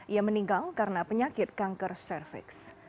ia meninggal karena penyakit kanker cervix